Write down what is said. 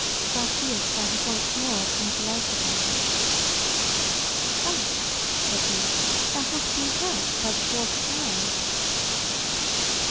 Thou seest I have once more come to life again." "But," said he, "thou hast been hurt by the Dwarf's arrow."